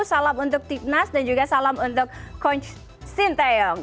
salam untuk tipnas dan juga salam untuk ko shin taeyong